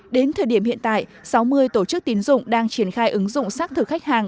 đến thời điểm hiện tại sáu mươi tổ chức tín dụng đang triển khai ứng dụng xác thực khách hàng